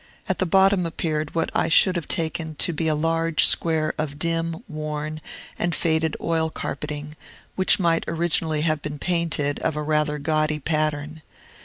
At the bottom appeared what I should have taken to be a large square of dim, worn, and faded oil carpeting, which might originally have been painted of a rather gaudy pattern.